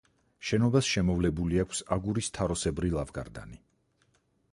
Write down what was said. შენობას შემოვლებული აქვს აგურის თაროსებრი ლავგარდანი.